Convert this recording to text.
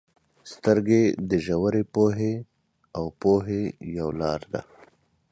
• سترګې د ژورې پوهې او پوهې یو لار ده.